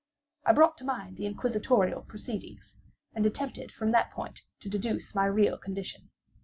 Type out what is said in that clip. I brought to mind the inquisitorial proceedings, and attempted from that point to deduce my real condition.